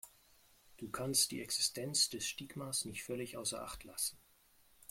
Du kannst die Existenz des Stigmas nicht völlig außer Acht lassen.